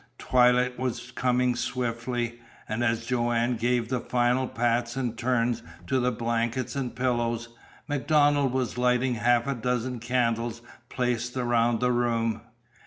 Twilight was coming swiftly, and as Joanne gave the final pats and turns to the blankets and pillows, MacDonald was lighting half a dozen candles placed around the room.